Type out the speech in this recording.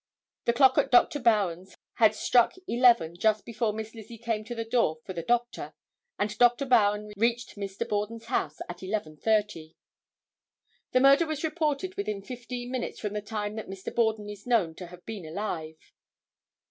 The clock at Dr. Bowen's had struck 11 just before Miss Lizzie came to the door for the doctor, and Dr. Bowen reached Mr. Borden's house at 11:30. The murder was reported within fifteen minutes from the time that Mr. Borden is known to have been alive.